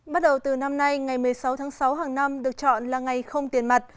bắt đầu từ năm nay ngày một mươi sáu tháng sáu hàng năm được chọn là ngày không tiền mặt